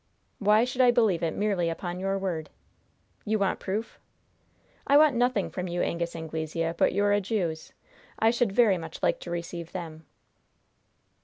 "Why should I believe it merely upon your word?" "You want proof?" "I want nothing from you, Angus Anglesea, but your adieus. I should very much like to receive them."